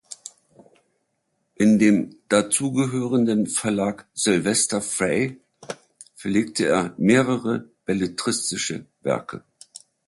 In dem dazugehorenden Verlag "Silvester Frey" verlegte er mehrere belletristische Werke.